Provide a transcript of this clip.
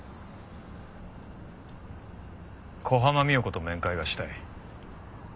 小浜三代子と面会がしたい。